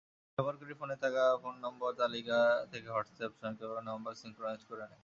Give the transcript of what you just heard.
ব্যবহারকারীর ফোনে থাকা ফোন নম্বর তালিকা থেকে হোয়াটসঅ্যাপ স্বয়ংক্রিয়ভাবে নম্বর সিনক্রোনাইজ করে নেয়।